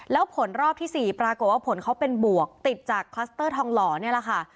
แล้วผลรอบที่๔ปรากฏว่าผลเขาเป็นบวกติดจากคลัสเตอร์ทองหล่อนี่แหละค่ะ